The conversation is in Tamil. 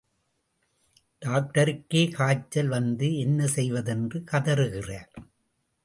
டாக்டருக்கே காய்ச்சல் வந்து என்ன செய்வது என்று கதறுகிறார்.